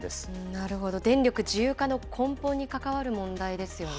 なるほど、電力自由化の根本に関わる問題ですよね。